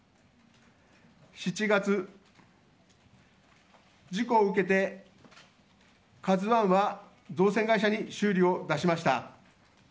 ７月、事故を受けて「ＫＡＺＵ１」は造船会社に修理に出しました。